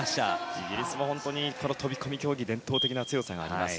イギリスも飛込競技伝統的な強さがあります。